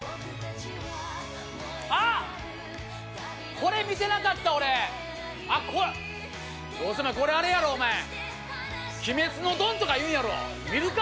これ見てなかった俺あっこれこれあれやろお前「鬼滅のドン」とか言うんやろ見るか！